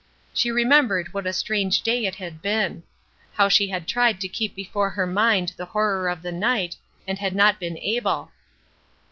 She remembered what a strange day it had been. How she had tried to keep before her mind the horror of the night, and had not been able.